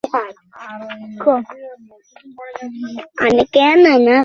Afif Hossain